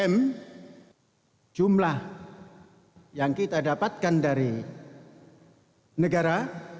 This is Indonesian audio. tiga m jumlah yang kita dapatkan dari negara